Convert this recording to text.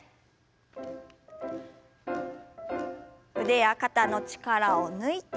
腕や肩の力を抜いて。